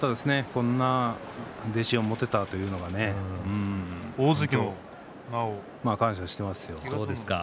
こんな弟子を持てたということは感謝していますよ。